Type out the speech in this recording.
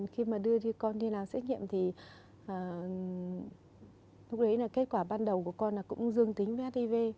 khi mà đưa con đi làm xét nghiệm thì lúc đấy là kết quả ban đầu của con là cũng dương tính với hát đi vê